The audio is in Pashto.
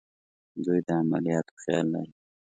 دوی د عملیاتو خیال لري.